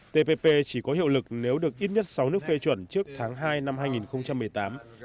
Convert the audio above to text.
tpp chỉ có hiệu lực nếu được ít nhất sáu nước phê chuẩn trước tháng hai năm hai nghìn một mươi tám